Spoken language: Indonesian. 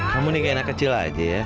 kamu nih kayak anak kecil aja ya